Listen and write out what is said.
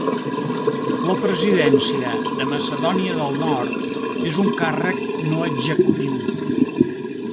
La Presidència de Macedònia del Nord és un càrrec no executiu.